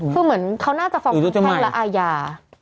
คือเหมือนเขาน่าจะฟองคู่แพงและอายา